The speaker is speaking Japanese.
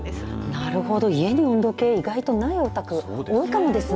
なるほど、家に温度計意外とないお宅多いかもですね。